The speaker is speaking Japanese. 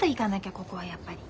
ここはやっぱり。